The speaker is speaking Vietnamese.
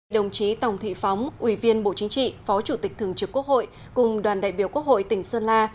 đồng chí tòng thị phóng ủy viên bộ chính trị phó chủ tịch thường trực quốc hội cùng đoàn đại biểu quốc hội tỉnh sơn la